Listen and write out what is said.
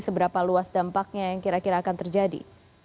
seberapa luas dampaknya yang kira kira akan terjadi